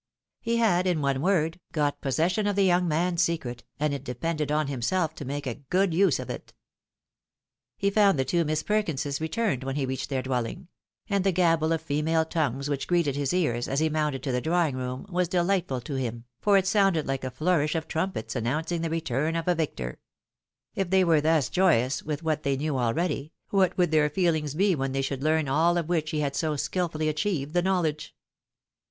He had, in one word, got possession of the young man's secret, and it depended on himself to make a good use of it. He found the two Miss Perkinses returned when he reached their dweDing ; and the gabble of female tongues which greeted his ears, as he mounted to the drawing room, was dehghtful to him, for it sounded like a flourish of trumpets announcing the return 6i a victor. K they were thus joyous with what they knew already, what would their feehngs be when they should learn all of which he had so skilfully achieved the knowledge?